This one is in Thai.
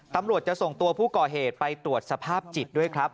ตำรวจจะส่งตัวผู้ก่อเหตุไปตรวจสภาพจิตด้วยครับ